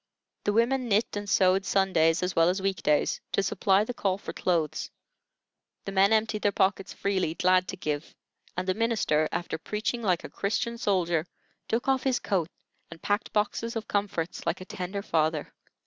The women knit and sewed Sundays as well as weekdays, to supply the call for clothes; the men emptied their pockets freely, glad to give; and the minister, after preaching like a Christian soldier, took off his coat and packed boxes of comforts like a tender father.